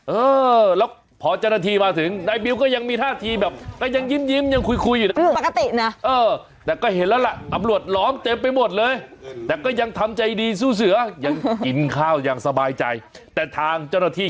เออแล้วพอเจ้าหน้าที่มาถึงนายบิวก็ยังมีท่าทีแบบก็ยังยิ้มยังคุยอยู่นั่น